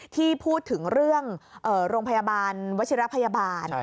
ที่พูดถึงเรื่องโรงพยาบาลวัชิรพยาบาล